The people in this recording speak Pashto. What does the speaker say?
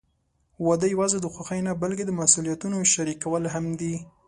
واده یوازې د خوښۍ نه، بلکې د مسوولیتونو شریکول هم دي.